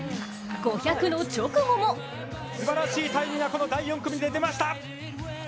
５００の直後もすばらしいタイムが第４組で出ました。